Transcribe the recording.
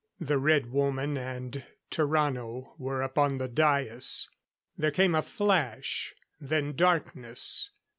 The Red Woman and Tarrano were upon the dais. There came a flash; then darkness.